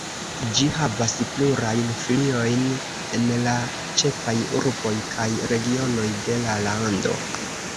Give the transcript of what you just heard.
Ĝi havas plurajn filiojn en la ĉefaj urboj kaj regionoj de la lando.